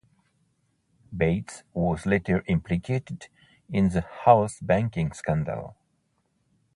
Bates was later implicated in the House banking scandal.